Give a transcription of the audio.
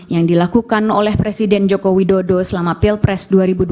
yang dilakukan oleh presiden joko widodo selama pilpres dua ribu dua puluh